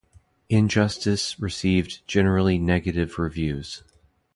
Injustice received generally negative reviews.